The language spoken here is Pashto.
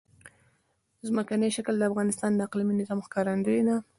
ځمکنی شکل د افغانستان د اقلیمي نظام ښکارندوی ده.